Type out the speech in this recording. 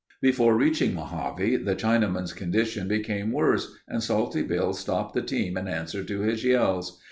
Before reaching Mojave, the Chinaman's condition became worse and Salty Bill stopped the team in answer to his yells.